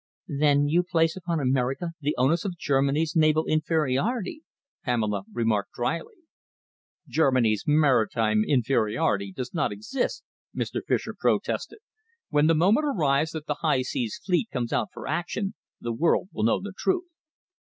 "Then you place upon America the onus of Germany's naval inferiority," Pamela remarked drily. "Germany's maritime inferiority does not exist," Mr. Fischer protested. "When the moment arrives that the High Seas fleet comes out for action the world will know the truth."